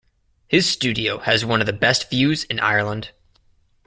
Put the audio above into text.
His studio has one of the best views in Ireland.